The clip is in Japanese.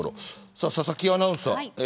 佐々木アナウンサー。